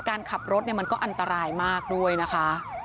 การขับรถป่นเนี่ยมันก็อันตรายมากด้วยนะคะ